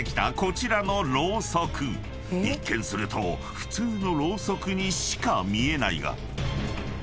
［一見すると普通のロウソクにしか見えないが］